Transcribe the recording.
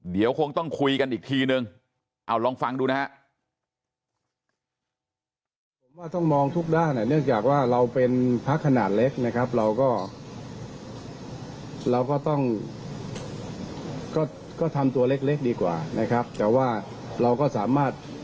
เดี๋ยวคงต้องคุยกันอีกทีนึงเอาลองฟังดูนะฮะ